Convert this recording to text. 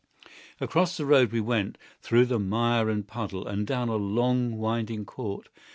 Across the road we went, through mire and puddle, and down a long, winding court.